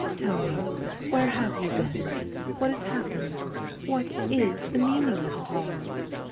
Tell me, where have you been? What has happened? What is the meaning of it all